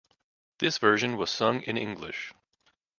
This version was sung in English.